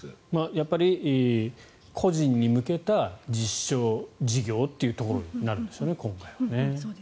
やっぱり、個人に向けた実証事業というところになるんでしょうね。